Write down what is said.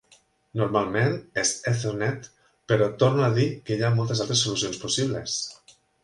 Normalment és Ethernet, però torno a dir que hi ha moltes altres solucions possibles.